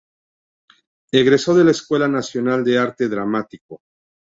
Egresó de la Escuela Nacional de Arte Dramático.